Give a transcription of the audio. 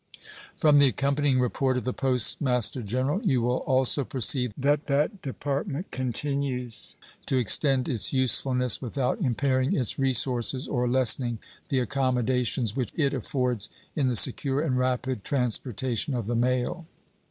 From the accompanying report of the Post Master General you will also perceive that that Department continues to extend its usefulness without impairing its resources or lessening the accommodations which it affords in the secure and rapid transportation of the mail.